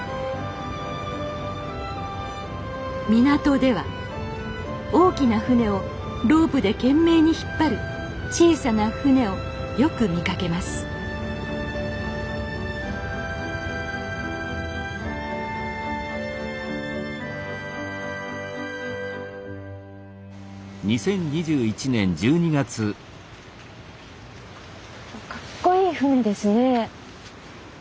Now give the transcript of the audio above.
港では大きな船をロープで懸命に引っ張る小さな船をよく見かけますかっこいい船ですね。